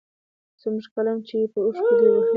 زموږ قلم چي يې په اوښکو دی وهلی